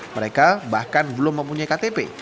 mereka bahkan belum mempunyai ktp